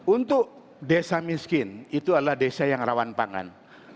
untuk desa miskin itu adalah desa yang rawan pangan